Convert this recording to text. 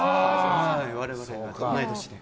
我々、同い年で。